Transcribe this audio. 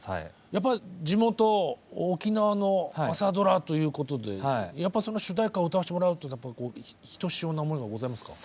やっぱり地元沖縄の朝ドラということでやっぱその主題歌を歌わせてもらうっていうのはひとしおな思いがございますか？